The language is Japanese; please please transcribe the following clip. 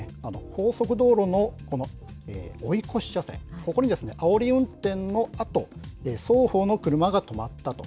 高速道路のこの追い越し車線、ここにあおり運転のあと、双方の車が止まったと。